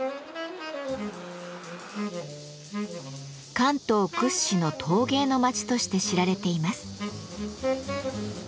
関東屈指の陶芸の町として知られています。